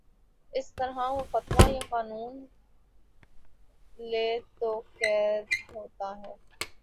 اس طرح وہ فتویٰ یا قانون بے توقیر ہوتا ہے